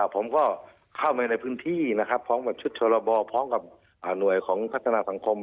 ผมก็เข้าไปในพื้นที่พร้อมชุดชะระเปาพร้อมกับหน่วยของพัฒนาสังคม